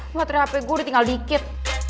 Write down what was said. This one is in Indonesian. baterai hp gue udah tinggal dikit